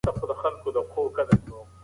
پوهان د دولتي پروګرامونو ملاتړ کوي.